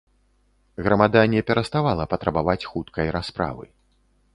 Грамада не пераставала патрабаваць хуткай расправы.